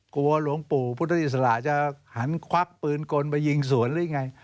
หลวงปู่พุทธอิสระจะหันควักปืนกลไปยิงสวนหรือไง